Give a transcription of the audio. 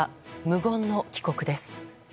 無言の帰国です。